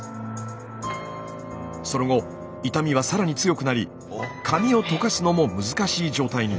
その後痛みはさらに強くなり髪をとかすのも難しい状態に。